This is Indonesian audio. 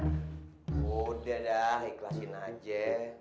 sudah ikhlasin saja